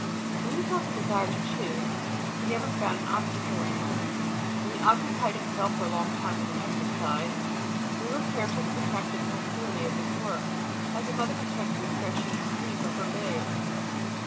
When he felt a desire to choose, he never found an obstacle in us; when he occupied himself for a long time with an exercise, we were careful to protect the tranquillity of his work, as a mother protects the refreshing sleep of her babe.